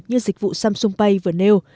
như dịch vụ samsung pay vừa nêu